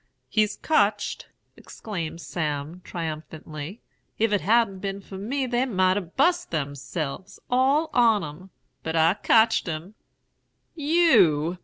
"'He's cotched!' exclaimed Sam, triumphantly. 'If it hadn't been for me they might a bust themselves, all on 'em; but I cotched him.' "'_You!